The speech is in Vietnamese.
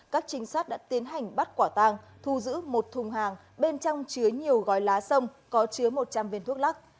các trinh sát đã tiến hành bắt quả tàng thu giữ một thùng hàng bên trong chứa nhiều gói lá sông có chứa một trăm linh viên thuốc lắc